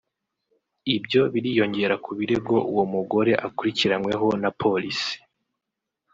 Ibyo biriyongera ku birego uwo mugore akurikirianyweho na Polisi